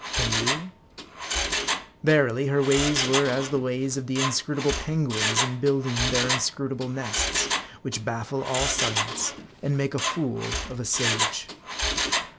Can you ? Verily, her ways were as the ways of the inscrutable penguins in building their inscrutable nests, which baffle all science, and make a fool of a sage.